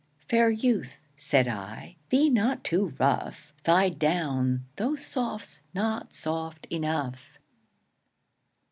Fair youth (said I) be not too rough, Thy down though soft's not soft enough.